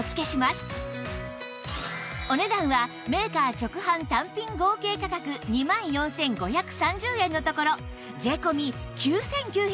お値段はメーカー直販単品合計価格２万４５３０円のところ税込９９８０円